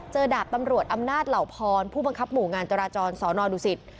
ดาบตำรวจอำนาจเหล่าพรผู้บังคับหมู่งานจราจรสอนอดุสิต